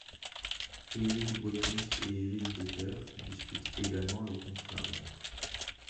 Erik Breukink et Erik Dekker disputent également le contre-la-montre.